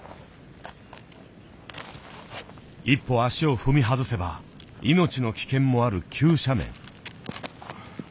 一歩足を踏み外せば命の危険もある急斜面。